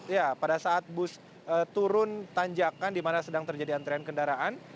ya pada saat bus turun tanjakan di mana sedang terjadi antrian kendaraan